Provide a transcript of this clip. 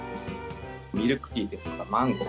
ミルクティーですとか、マンゴー、